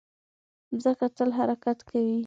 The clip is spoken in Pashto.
مځکه تل حرکت کوي.